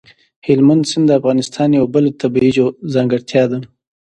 هلمند سیند د افغانستان یوه بله طبیعي ځانګړتیا ده.